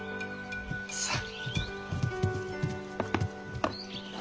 さあ。